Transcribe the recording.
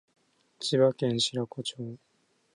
千葉県白子町